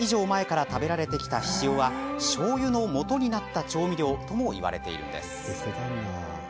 １０００年以上前から食べられてきた、ひしおはしょうゆのもとになった調味料ともいわれているんです。